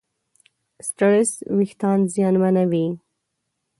سټرېس وېښتيان زیانمنوي.